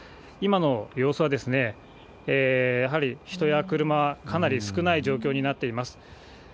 今の様子は、やはり人や車はかなり少ない状況になっています。